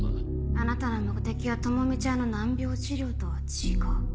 あなたの目的は朋美ちゃんの難病治療とは違う。